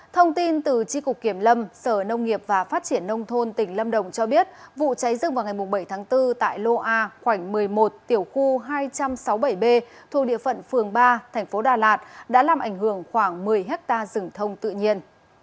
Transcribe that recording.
thông tin từ tri cục kiểm lâm sở nông nghiệp và phát triển nông thôn tỉnh lâm đồng cho biết vụ cháy rừng vào ngày bảy tháng bốn tại lô a khoảnh một mươi một tiểu khu hai trăm sáu mươi bảy b thu địa phận phường ba thành phố đà lạt đã làm ảnh hưởng khoảng một mươi hectare rừng thông tự nhiên